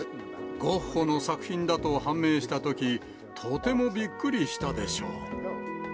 ゴッホの作品だと判明したとき、とてもびっくりしたでしょう。